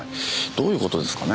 どういう事ですかね？